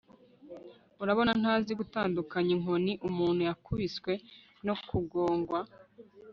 urabona ntazi gutandukanya inkoni umuntu yakubiswe no kugongwa!